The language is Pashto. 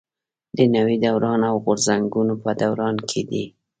د نوي دوران او غورځنګونو په دوران کې دي.